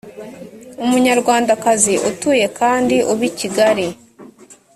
umunyarwandakazi utuye kandi uba i kigali